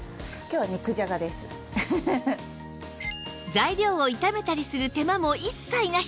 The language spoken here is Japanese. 材料を炒めたりする手間も一切なし